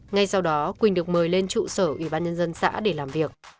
ngay sau đó quỳnh được mời lên trụ sở ủy ban nhân dân xã để làm việc